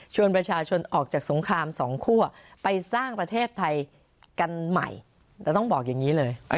ประชาชนออกจากสงครามสองคั่วไปสร้างประเทศไทยกันใหม่แต่ต้องบอกอย่างนี้เลย